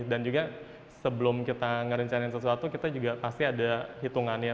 dan juga sebelum kita merencanain sesuatu kita juga pasti ada hitungan ya